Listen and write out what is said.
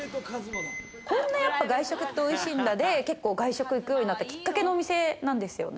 外食っておいしいんだ、外食行くようになったきっかけのお店なんですよね。